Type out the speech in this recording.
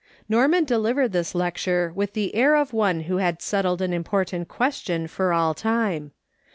"' Norman delivered this lecture with the air of one who had settled an important question for all time.